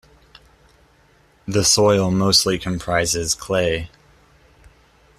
The soil mostly comprises clay.